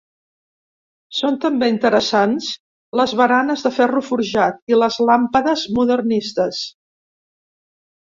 Són també interessants les baranes de ferro forjat i les làmpades modernistes.